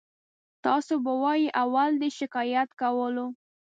تاسې به وایئ اول دې شکایت کولو.